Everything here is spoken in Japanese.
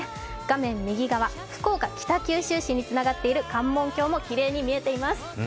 画面右側、福岡北九州市につながる関門橋もきれいに見えています。